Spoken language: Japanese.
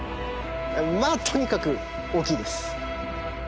まあとにかく大きいです。